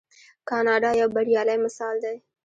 کاناډا یو بریالی مثال دی.